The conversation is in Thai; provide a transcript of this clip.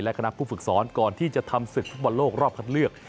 คณะผู้ฝึกสอนก่อนที่จะทำศึกฟุตบอลโลกรอบคัดเลือก